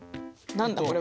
何だこれ。